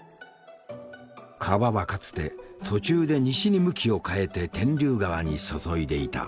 川はかつて途中で西に向きを変えて天竜川に注いでいた。